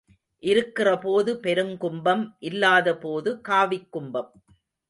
இருக்கிறபோது பெருங்கும்பம் இல்லாத போது காவிக் கும்பம்.